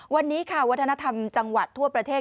วันนี้ค่ะวัฒนธรรมจังหวัดทั่วประเทศ